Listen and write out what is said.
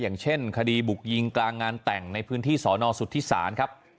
อย่างเช่นคดีบุกยิงกลางงานแต่งในพื้นที่สอนอสุทธิศาลครับ